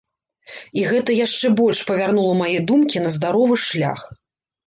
І гэта яшчэ больш павярнула мае думкі на здаровы шлях.